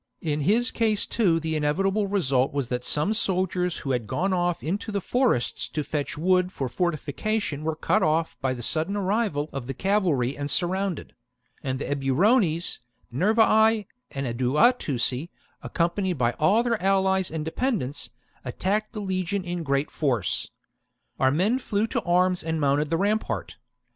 In his case too the inevitable result was that some soldiers who had gone off into the forests to fetch wood for fortification were cut off by the sudden arrival of the cavalry and surrounded ; and the Eburones, Nervii, and Aduatuci, accompanied by all their allies and dependents, attacked the legion in great force. Our men flew to arms and mounted the rampart.